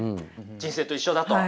人生と一緒だと？